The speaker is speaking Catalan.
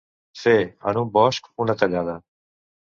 Fer, en un bosc, una tallada.